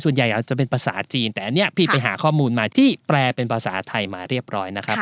อาจจะเป็นภาษาจีนแต่อันนี้พี่ไปหาข้อมูลมาที่แปลเป็นภาษาไทยมาเรียบร้อยนะครับ